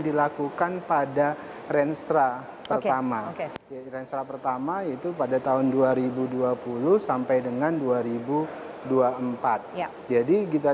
dilakukan pada renstra pertama yaitu renstra pertama itu pada tahun dua ribu dua puluh sampai dengan dua ribu dua puluh empat jadi kita